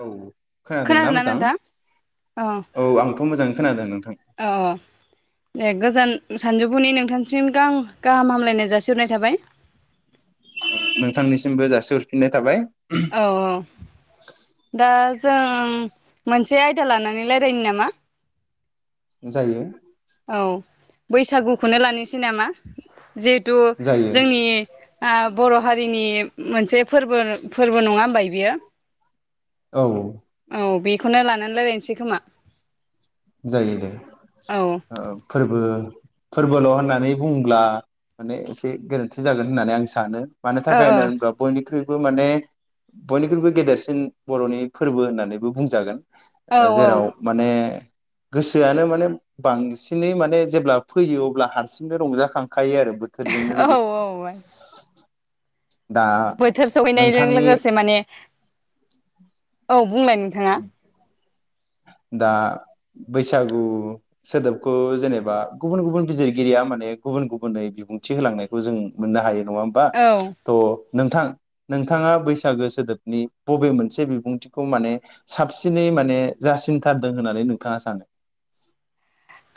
औ खोनादोंना मोजां औ आंथ मोजां खोनादों नों अ देग गोजोन सानजौफुनि नोंथांसिम गाहाम गाहाम हामलायनाय जासिहरनाय थाबाय नोंथांनिसिमबो जासिहरफिननाय थाबाय औ औ दा जों मोनसे आयदा लानानै लायरायनो नामा? जायो औ बैसागुखौनो लानोसै नामा? जिहेथु जायो जोंनि आ बर हारिनि मोनसे फोरबो फोरबो नङा होनबाय बियो औ खौनो लानानै लायरायनोसै खोमा जायो दे औ ओ फोरबो फोरबोल होननानै बुंङोब्ला माने एसे गोरोन्थि जागोन होननानै आं सानो। मानो ओ थाखाय होनना बुङोब्ला बयनिख्रुइ बो माने बयनिख्रुइबो गेदेरसिन बरनि फोरबो होननानैबो बुंजागोन औ ओ जेराव माने गोसोआनो माने बांसिनै माने जेब्ला फैयो अब्ला हारसिंनो रंजाखांखा खायो आरो बोथोरजोंनो औ लोगोसे औ दा बोथोर सहैनायजों नोंथांनि लोगोसे माने औ बुंलाय नोंथाङा दा बैसागु सोदोबखौ जेनेबा गुबुन गुबुन बिजिरगिरिया माने गुबुन गुबुनै बिबुंथि होलांनायखौ जों मोननो हायो। बा औ थ नोंथां नोंथाङा बैसागो सोदोबनि बबे मोनसे बिबुंथिखौ माने साबसिनै माने जासिनथारदों होननानै नोंथाङा सानो?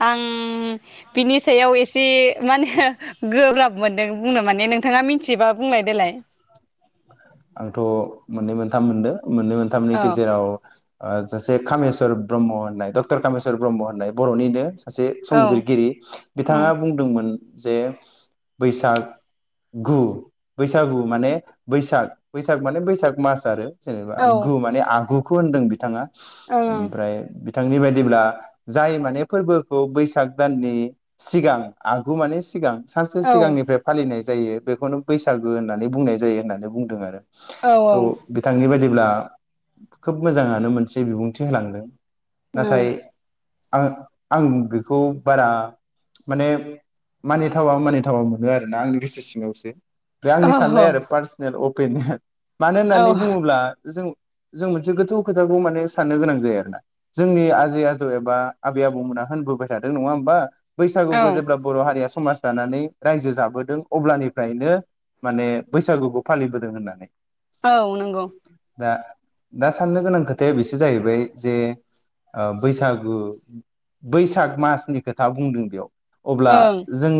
आं बिनि सायाव एसे मा होनो गोब्राब मोनदों बुंनो माने नोंथाङा मिथिबा बुंलाय दोलाय आंथ मोननै मोनथाम मोनदों मोननै मोनथामनि औ गेजेराव ओ सासे कामेस्वर ब्रह्म होननाय डक्टर कामेस्वर ब्रह्म होननाय बर'निनो सासे औ संजिरगिरि बिथाङा उम बुंदोंमोन जे बैसाग गु बैसागु माने बैसाग बैसाग माने बैसाग मास आरो जेनेबा औ गु माने आगु खौ होनदों बिथाङा ओं ओमफ्राय बि- बिथांनि बायदिब्ला जाय माने फोरबोखौ बैसाग दाननि सिगां आगु माने सिगां सानसे औ सिगांनिफ्राय फालिनाय जायो बेखौनो बैसागु होननानै बुंनाय जायो होननानै बुंदों आरो औ थ औ बिथांनि बाय आ खोब मोजाङानो मोनसे बिबुंथि होलांदों उम नाथाय- आं आं बेखौ बारा माने मानिथावा मानिथावा मोनो आरोना आंनि गोसो सिङावसो बे औ आंनि साननाय आरो पारसनेल अ बेनिनो मानो औ होननानै बुङोब्ला जों जों मोनसे गोथौ खोथाखौ माने साननो गोनां जायो आरोना जोंनि आजै आजौ एबा आबै आबौमोना होनबोबाय थादों नङा होमबा बैसागुखौ औ जेब्ला बर' हारिया समाज दानानै रायजो जाबोदों अब्लानिफ्रायनो माने बैसागुखौ फालिबोदों होननानै औ नंगौ दा दा साननो गोनां खोथाया बेसो जाहैबाय जे ओ बैसागु बैसाग मासनि खोथा बुंदों बेयाव अब्ला ओं जों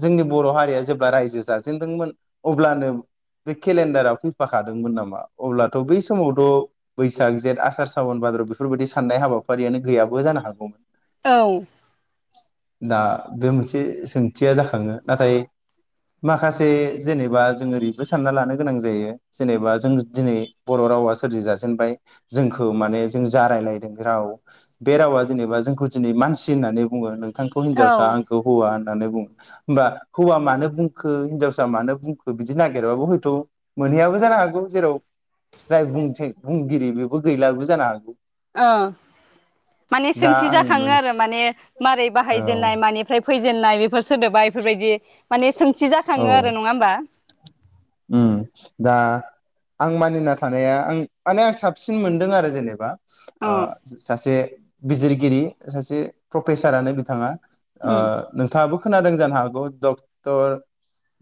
जोंनि बर' हारिया जेब्ला रायजो जाजेनदोंमोन अब्लानो बे केलेन फैफाखादोंमोननामा? अब्लाथ' बै समावथ' बैसाग जेथ आसार सावोन बेफोरबादि साननाय हाबाफारियानो गैयाबो जानो हागौमोन। औ। दा बे मोनसे सोंथिया जाखाङो नाथाय माखासे जेनेबा जों ओरैबो सानना लानो। गोनां जायो जेनेबा जों दिनै बर' रावा सोरजि जाजेनबाय जोंखौ माने जों जारायलायदों राव बे रावा जेनेबा जोंखौ दिनै मानसि होननानै बुङो। नोंथांखौ हिनजावसा औ आंखौ हौवा। होननानै बुं होमबा हौवा मानो बुंखो हिनजावसा मानो बुंखो बिदि नागिरबाबो हयथ। मोनहैयाबो जानो हागौ जेराव जाय बुंथि बुंगिरि बेबो गैलाबो जानो हागौ। माने दा सोंथि आं जाखाङो आरो मोनसे माने मारै औ बाहायजेननाय मानिफ्राय फैजेननाय बे फोर सोदोबा इफोरबायदि माने सों थि‌ औ जाखाङो आरो नङा होमबा। उम दा आं मानिना थानाया आं माने आं साबसिन मोनदों आरो जेनेबा। औ ओ सासे। बिजिरगिरि सासे प्रफेसारानो बिथाङा। ओ उम नोंथाङाबो खोनादों। जानो हागौ डक्ट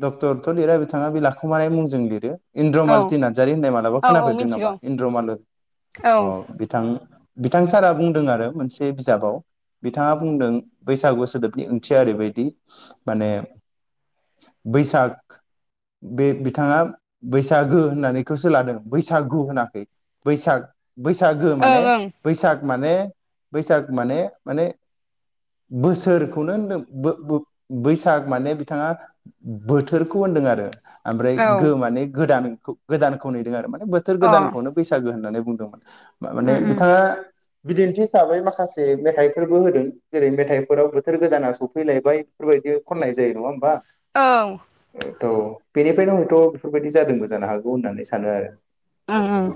डक्टरथ लिरा बिथाङा बि ला खुमानाय मुंजों लिरो। औ इन्द्रमालति नार्जारि होननाय मालाबा औ औ खोनाफेरदों मिथिगौ नामा इन्द्रमालु औ अ बिथां। बिथां सारा बुंदों आरो मोनसे बिजाबाव बिथाङा बुंदों बैसागु सोदोबनि ओंथिया ओरैबायदि माने बैसाग बे बिथाङा बैसागो होननानैखौसो लादों बैसागु होनाखै बैसाग बैसागो माने ओं बैसाग माने बैसाग माने माने बोसोरखौनो होनदों बो-बो-बैसाग माने बिथाङा बोथोरखौ होनदों आरो ओमफ्राय ओं गो माने गोदान। गोदानखौ नेदों आरो माने। बोथोर औ अ गोदानखौनो बैसागो होननानै बुंदोंमोन। उम माने उम बिथाङा बिदिन्थि हिसाबै माखासे मेथाइफोरबो होदों जेरै मेथाइफोराव बोथोर गोदाना सफैलायबाय बेफोरबायदि खननाय। जायो नङा होमबा। औ थ। बेनिफ्रायनो हयथ बेफोरबायदि जादोंबो जानो हागौ होननानै सानो आरो। उम उम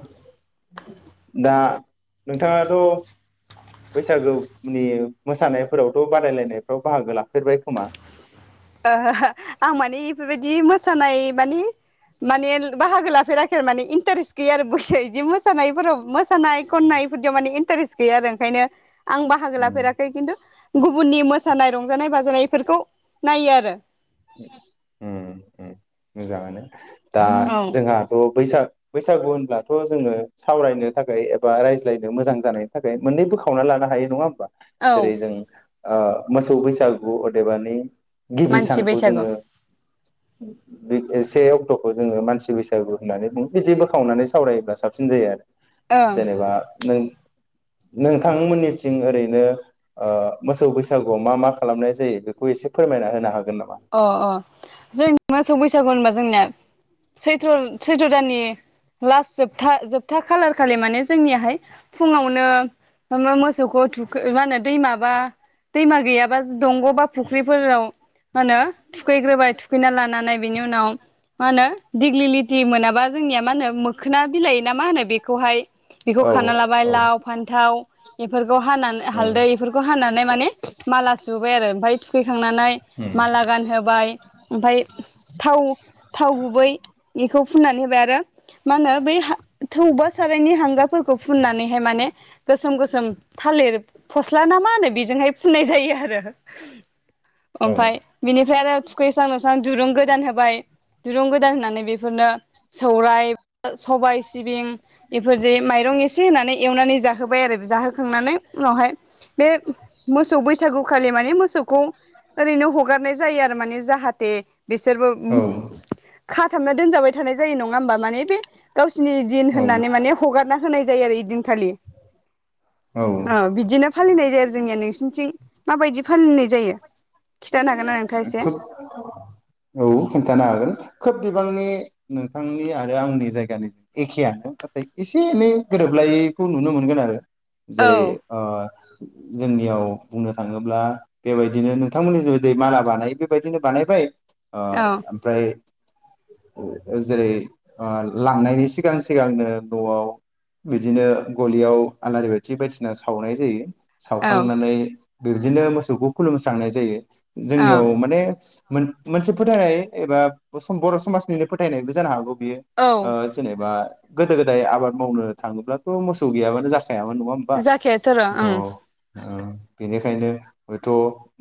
दा नोंथाङाथ बैसागुनि। मोसानायफोरावथ बादायलायनायफ्राव बाहागो ला ओहो आं माने इफोरबायदि मोसानाय मानि माने बाहागो लाफेराखै आरो माने इन्टारेस्ट गैया आरो बयसो बिदि मोस सानायफोराव मोसानाय खननाय इफोरदियाव माने इन इन्टारेस्ट गैया आरो ओंखायनो। आं बाहागो लाफेराखै खिन्थु गुबुननि मोसानाय रंजानाय बाजानाय फोरखौ नायो आरो। उम उम मोजाङानो दा औ जोंहाथ' बैसाग बैसागु होनब्लाथ' जोंङो सावरायनो थाखाय एबा रायज्लायनो मोजां जानायनि थाखाय मोननै बोखावना लानो हायो नङा होमबा? औ जेरै जों ओ मोसौ बैसागु अदेबानि गिबि मानसि सान बैसागु बे से अक्टखौ जोङो मानसि बैसागु होननानै बुङो बिदि बोखावनानै सावरायोब्ला साबसिन जायो आरो। ओं जेनेबा नों नोंथांमोननिथिं ओरैनो मोसौ बैसागुआव मा मा खालामनाय जायो बेखौ एसे फोरमायना होनो हागोन नामा? अ अ जों मोसौ बैसागु होनबा जोंनिया सैथ्र' सैथ्र' दाननि लास्ट जोबथा जोबथा खालार खालि माने जोंनियाहाय फुङावनो मो-मोसौखौ थुखै माहोनो दै माबा दैमा गैयाबा दंग'बा फुख्रिफोराव मा होनो थुखैग्रोबाय थुखैना लानानै बेनि उनाव मा होनो दिग्लिलिटि मोनाबा जोंनिया मा होनो मोखोना बिलाय ना मा होनो बेखौहाय बेखौ औ खाना लाबाय औ लाव फान्थाव बेफोरखौ हानानै उम हालदै बेफोरखौ हानानै माने माला सुबाय आरो ओमफाय थुखैखांनानै उम माला गान होबाय ओमफाय थाव थाव गुबै इखौ फुननानै होबाय आरो मा होनो बै थौबा सारायनि हांगारफोरखौ फुननानैहाय माने गोसोम गोसोम थालिर फस्ला ना मा होनो बेजोंहाय फुननाय जायो आरो। ओमफाय बेनिफ्राय आरो थुखैस्रां लोबस्रां दुरुं गोदान होबाय दुरुं गोदान होनानै बेफोरनो सौराय सबाय सिबिं बेफोरजों मायरं एसे होनानै एवनानै जाहोबाय आरो जाहोखांनानै उनावहाय बे मोसौ बैसागु खालि माने मोसौ खौ ओरैनो हगार जायो आरो माने जाहाथे बिसोरबो औ खा थाबना दोनजाबाय थानाय जायो नङा होमबा माने बे गाव सिनि दिन औ होननानै माने हगारना होनाय जायो आरो इदिनखालि। औ बिदिनो फालिनाय जायो आरो जोंनिया नोंसिनिथिं माबायदि फालिनाय जायो खिथानो हागोन ना नोंथाङा एसे खोब औ खिन्थानो हागोन खोब गोबांनि नोंथांनि आरो आंनि जायगानि एखेयानो नाथाय एसे एनै गोरोबलायखौ नुनो मोनगोन आरो। जेरै औ अ जोंनियाव बुंनो थाङोब्ला बेबायदिनो नोंथांमोननि जिबादि माला बानायो बेबायदिनो बानायबाय। अ औ ओमफ्राय जेरै लांनायनि सिगां सिगांनो नआव बिदिनो गलियाव आलारि बाथि बायदिसिना सावनाय जायो। औ सावखांनानै। बेदिनो मोसौखौ। खुलुमस्रांनाय जायो। औ जोंनियाव माने। मोन मोनसे फोथायनाय एबा बर समाजनिनो फोथायनायबो जानो हागौ। बेयो औ ओ जेनेबा। गोदो गोदाय आबाद मावनो थाङोब्लाथ मोसौ गैयाबानो जाखायामोन। खायामोन नङा जाखेथ' र' ओं होनबा। बेनिखायनो। थ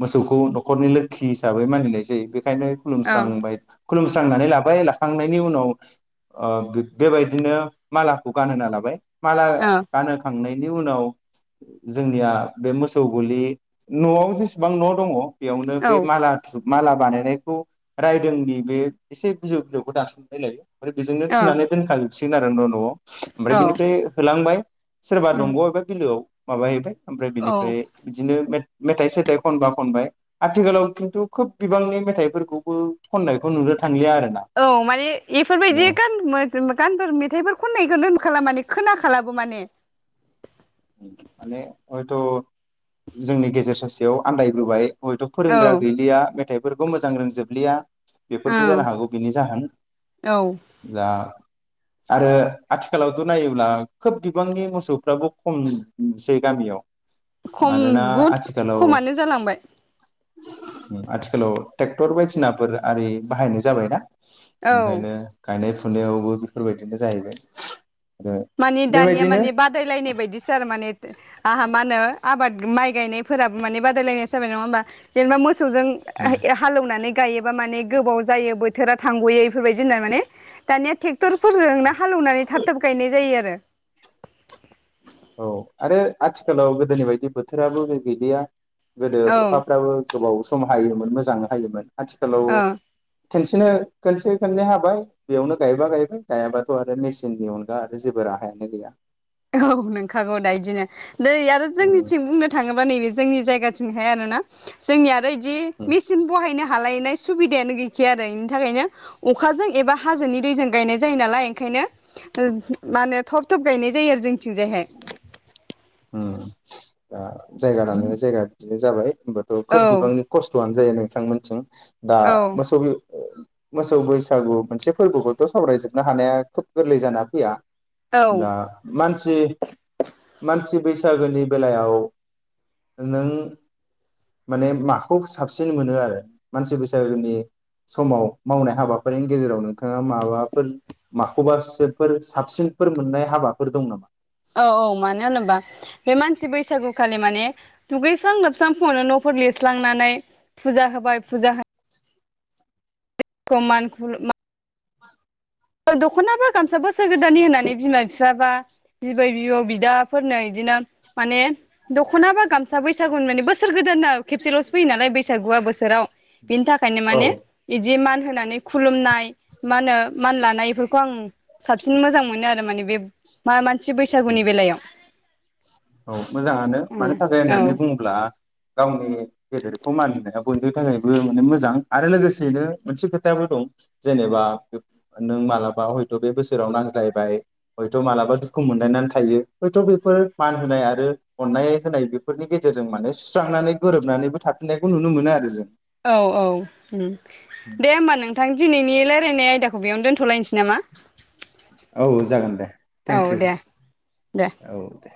मोसौखौ नखरनि लोखि हिसाबै मानिनाय जायो बे। ओंखायनो औ खुलुमस्रांबाय। खुलुमस्रांनानै लाबाय लाखांनायनि उनाव बेबायदिनो मालाखौ गानहोना लाबाय। माला औ गानहोखांनायनि। नि उनाव जोंनिया बे मोसौ गलि न। जेसेबां न दङ। बेयावनो औ बे माला थुनानै। माला बानायनायखौ रायदोंनि बे एसे गोजौ गोजौखौ दासननाय लायो। ओमफ्राय बेजोंनो ओ फिनानै दोनखायो। सिगोन आरो। नआव ओमफ्राय औ बिनिफ्राय होलांबाय सोरबा उम दंग एबा बिलोआव। माबा हैबाय। ओमफ्राय औ बिनिफ्राय बिदिनो। [unintelligible] मेथाय खनबा खनबाय आथिखालाव खिन्थु खोब बिबांनि मेथाइफोरखौबो। खननायखौ नुनो थांलिया आरोना औ माने बेफोरबायदि गान गानफोर मेथाइफोर खननायखौनो खालामला माने खोना खालाबो माने। माने हयथ जोंनि गेजेर सासेयाव आन्दाय बोबाय। हयथ औ फोरोंग्रा गैलिया मेथाइफोरखौ। बेफोरखौ मोजां रोंजोबलिया। औ बेफोरबो जानो हागौ बिनि जाहोन औ दा। आरो आथिखालावथ नायोब्ला खोब बिबांनि मोसौफ्राबो। खमसै नुसै गामियाव। खम मानोना बुहुद खमानो जालांबाय। उम आथिखालाव टेक्टर बायदिसिनाफोर आरि बाहायनाय जाबायना औ ओंखायनो गायनाय फु फुनायावबो बेफोरबायदिनो जाहैबाय आरो मानि दानिया बेबायदिनो माने बादायलायनाय बायदिस थारमानेथ आहा मा होनो आबाद माइ गायनायफोराबो माने बादायलायनायसो जाबाय नंङा होमबा जेनेबा मोस सौ जों उय ए हालौनानै गायोबा माने गोबाव जायो बोथोरा थांगयो एफोरबायदि होनना माने दानिया टेक्टर फोरजों ना हालौवनानै थाबथाब गायनाय ज जायो आरो। औ आरो आथिखालाव गोदोनि बायदि बोथोराबो बे गैलिया गोदो औ अखाफ्राबो गोबाव सम हायोमोन मोजांनो हायोमोन आथिखालाव औ खोनसेनो खोनसे खोननै हाबाय बेयावनो गायबा गायबाय गायाबाथ आरो मेसिननि अनगा आरो जेबो राहायानो गैया औ नंखागौ दा इदिनो दै यारो जोंनिथिं बुंनो थांङो बा नै बे जोंनि जायगाथिंहाय आरो ना जोंनिया आरो दि मेसिन बहायनो हा खालायनाय सुबिदायानो गैखाया आरो इनि थाखायनो अ खाजों एबा हाजोनि दैजों गायनाय जायो नालाय ओंखायनो मा होनो थब थब गायनाय जायो आ थिंजायहाय उम दा जायगा लाना जायगा बिदिनो जाबाय होमबाथ खोब औ बिबांनि खस्थआनो जायो नोंथांमोनथिं दा औ मोसौ बि मोसौ बैसागु मोनसे फोरबोखौथ सावरायजोबनो हानाया खोब गोरलै जाना फैया औ दा मानसि सि बैसागोनि बेलायाव नों माने माखौ साबसिन मोनो आरो मानसि बैसागोनि समाव मावनाय हाबाफोरनि गेजेराव नोंथाङा माबाफोर माखौबासोफोर साबसिनफोर मोननाय हाबाफोर दं नामा? औ औ मानो होनोबा बे मानसि बैसागुखालि माने दुगैस्रां लोबस्रां फुंङावनो नफोर लिरस्लांनानै फुजा होबाय फुजा हो खौ मान दख'ना बो गामसा बो बोसोर गोदाननि होननानै बिमा बिफा बा बिबै बिबौ बिदाफोरनो इदिनो माने दखना बा गामसा बैसागुनि माने बोसोर गोदाना खेबसेलसो फैयो नालाय बैसागुआ बोसोराव बिनि थाखायनो माने औ बिदि मान होनानै खुलुमनाय मा होनो मान लानायफोरखौ आं साबसिन मोजां मोनो आरो माने बे मा-मान से बैसागुनि बेलायाव औ मोजाङानो मानि थाखाय औ होननानै बुङोब्ला गावनि गेदेरखौ मानिनाया बयनि थाखायबो माने मोजां आरो लोगोसेयैनो मोनसे खोथायाबो दं जेनेबा नों मालाबा हयथ बे बोसोराव नांज्लायबाय हयथ मालाबा दुखु मोनलायनानै थायो हयथ बेफोर मान होनाय आरो अननाय होनाय बेफोरनि गेजेरजों माने सुस्रांनानै गोरोबनानैबो थाफिननायखौ नुनो मोनोआरो जों औ औ दे होमबा नोंथां दिनैनि रायलायनाय आयदाखौ बेयावनो दोनथलायनोसै नामा औ जागोन दे औ थेंक इउ दे दे औ दे